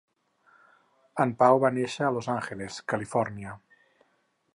En Pau va néixer a Los Angeles, Califòrnia.